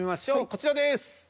こちらです。